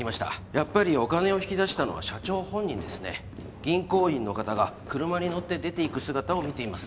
やっぱりお金を引き出したのは社長本人ですね銀行員の方が車に乗って出ていく姿を見ています